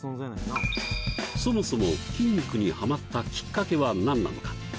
そもそも筋肉にハマったきっかけは何なのか？